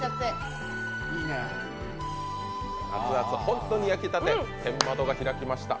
ホントに焼きたて天窓が開きました。